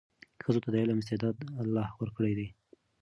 ښځو ته د علم استعداد الله ورکړی دی.